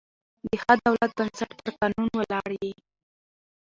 د ښه دولت بنسټ پر قانون ولاړ يي.